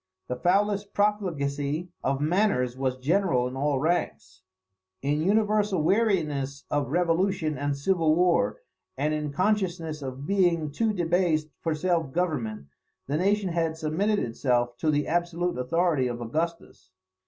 The foulest profligacy of manners was general in all ranks. In universal weariness of revolution and civil war, and in consciousness of being too debased for self government, the nation had submitted itself to the absolute authority of Augustus.